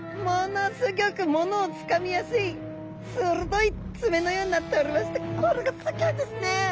ギョく物をつかみやすい鋭い爪のようになっておりましてこれがすギョいんですね。